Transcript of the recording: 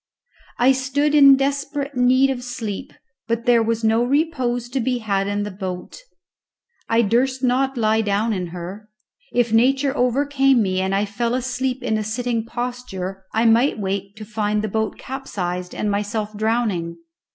I stood in desperate need of sleep, but there was no repose to be had in the boat. I durst not lie down in her; if nature overcame me and I fell asleep in a sitting posture, I might wake to find the boat capsized and myself drowning.